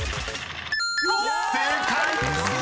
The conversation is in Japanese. ［正解！］